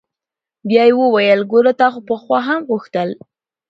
بيا يې وويل ګوره تا خو پخوا هم غوښتل.